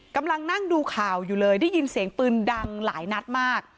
กำลังนั่งดูข่าวอยู่เลยได้ยินเสียงปืนดังหลายนัดมาก